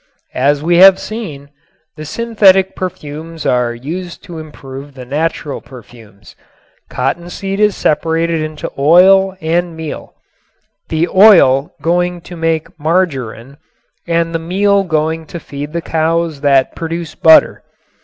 As we have seen, the synthetic perfumes are used to improve the natural perfumes. Cottonseed is separated into oil and meal; the oil going to make margarin and the meal going to feed the cows that produce butter.